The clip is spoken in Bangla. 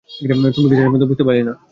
তুই কি শেষ পর্যন্ত বুঝতে পারলি না?